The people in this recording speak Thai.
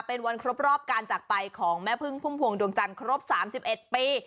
เป็นวันครบรอบการจากไปของแม่พึ่งพุ่มพวงดวงจันทร์ครบ๓๑ปี